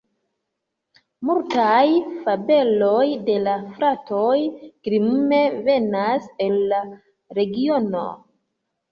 Multaj fabeloj de la fratoj Grimm venas el la regiono.